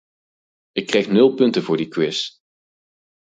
Ik kreeg nul punten voor die quiz.